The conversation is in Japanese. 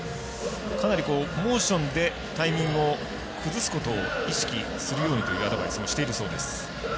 かなりモーションでタイミングを崩すことを意識するようにというアドバイスをしているそうです。